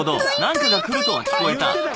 何かが来るとは聞こえた。